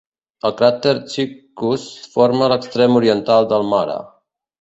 El cràter Cichus forma l'extrem oriental del mare.